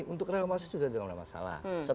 untuk reklamasi sudah tidak masalah